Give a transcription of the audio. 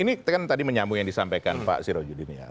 ini kita kan tadi menyambung yang disampaikan pak sirojudin ya